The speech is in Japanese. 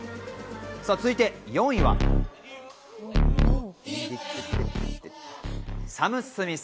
続いて４位は、サム・スミス。